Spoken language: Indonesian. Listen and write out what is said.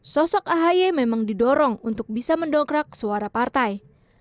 sosok ahy memang didorong untuk bisa mendongkrak suara partai